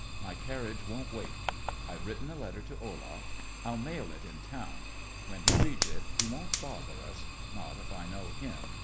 My carriage won't wait. I've written a letter to Olaf; I'll mail it in town. When he reads it he won't bother us not if I know him.